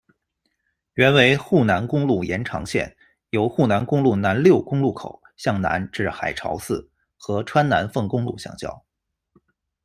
原为沪南公路延长线，由沪南公路南六公路口向南至海潮寺，和川南奉公路相交。